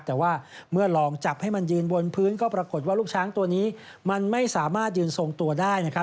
แต่ว่าเมื่อลองจับให้มันยืนบนพื้นก็ปรากฏว่าลูกช้างตัวนี้มันไม่สามารถยืนทรงตัวได้นะครับ